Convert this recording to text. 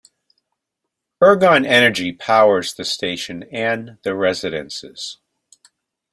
Ergon Energy powers the station and the residences.